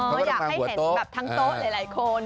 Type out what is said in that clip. ไม่อยากให้เห็นต้นโต๊ะหลายคน